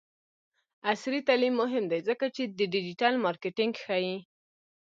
عصري تعلیم مهم دی ځکه چې د ډیجیټل مارکیټینګ ښيي.